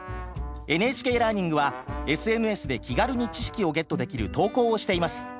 「ＮＨＫラーニング」はＳＮＳで気軽に知識をゲットできる投稿をしています。